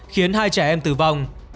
khiến hai trẻ em tử vong